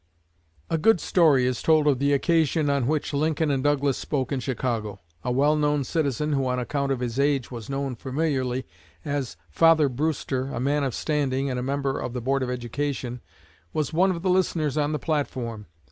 '" A good story is told of the occasion on which Lincoln and Douglas spoke in Chicago. A well known citizen who on account of his age was known familiarly as "Father Brewster" a man of standing, and a member of the Board of Education was one of the listeners on the platform.